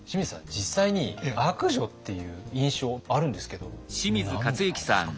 実際に悪女っていう印象あるんですけど何でなんですか？